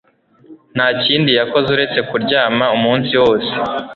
Nta kindi yakoze uretse kuryama umunsi wose